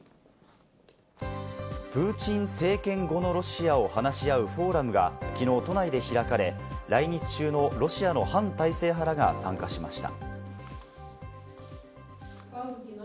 プーチン政権後のロシアを話し合うフォーラムがきのう都内で開かれ、来日中のロシアの反体制派らが参加しました。